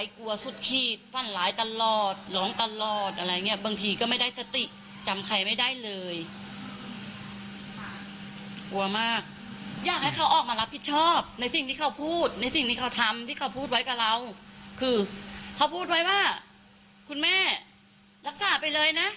คือเขาพูดไว้ว่าคุณแม่รักษาไปเลยนะ